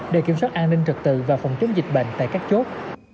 để kiểm soát an ninh trật tự và phòng chống dịch bệnh tại các chốt